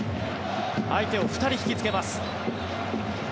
相手を２人引きつけます。